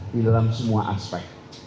di dalam semua aspek